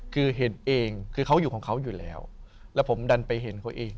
คือเห็นเองคือเขาอยู่ของเขาอยู่แล้วแล้วผมดันไปเห็นเขาเอง